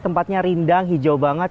tempatnya rindang hijau banget